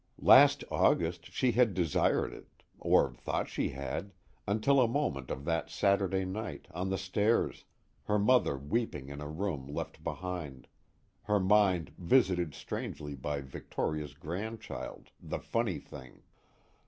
_ Last August she had desired it, or thought she had, until a moment of that Saturday night, on the stairs, her mother weeping in a room left behind, her mind visited strangely by Victoria's grandchild the Funny Thing.